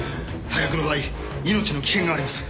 最悪の場合命の危険があります。